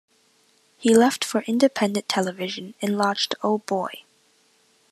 He left for independent television and launched Oh Boy!